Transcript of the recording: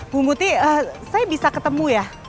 bu muti saya bisa ketemu ya